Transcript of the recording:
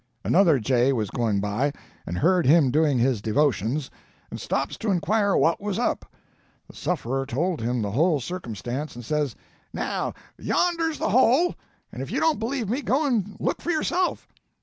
"Another jay was going by, and heard him doing his devotions, and stops to inquire what was up. The sufferer told him the whole circumstance, and says, 'Now yonder's the hole, and if you don't believe me, go and look for yourself.'